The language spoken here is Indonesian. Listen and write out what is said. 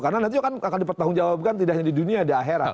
karena nanti akan dipertahankan tidak hanya di dunia di akhirat